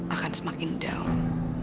akan semakin down